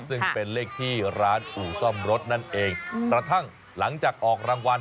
ซึ่งเป็นเลขที่ร้านอู่ซ่อมรถนั่นเองกระทั่งหลังจากออกรางวัล